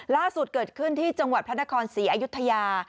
ล่าสุดเกิดขึ้นที่จังหวัดพระนครศรีอยุธยา